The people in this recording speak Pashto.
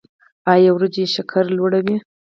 ایا وریجې شکر لوړوي؟